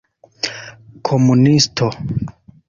komunisto